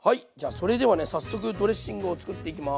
それではね早速ドレッシングを作っていきます。